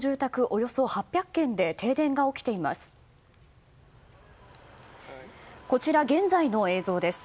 およそ８００軒で停電が起きています。